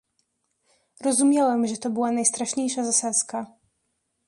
"Rozumiałem, że to była najstraszniejsza zasadzka."